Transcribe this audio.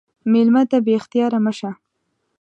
مېلمه ته بې اختیاره مه شه.